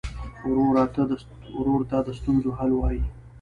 ورور ته د ستونزو حل وايي.